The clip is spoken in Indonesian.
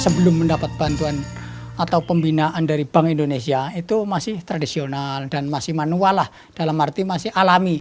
sebelum mendapat bantuan atau pembinaan dari bank indonesia itu masih tradisional dan masih manual lah dalam arti masih alami